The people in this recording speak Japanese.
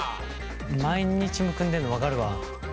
毎日むくんでるの分かるわ。